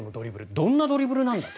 どんなドリブルなんだと。